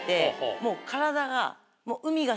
もう体が。